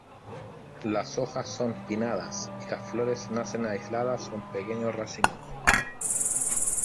Las hojas son pinnadas y las flores nacen aisladas o en pequeños racimos.